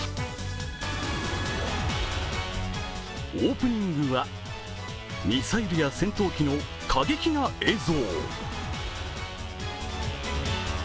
オープニングはミサイルや戦闘機の過激な映像。